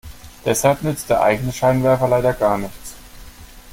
Deshalb nützt der eigene Scheinwerfer leider gar nichts.